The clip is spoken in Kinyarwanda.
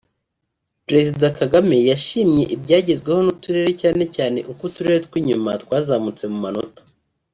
Perezida Kagame yashimye ibyagezweho n’uturere cyane cyane uko uturere tw’inyuma twazamutse mu manota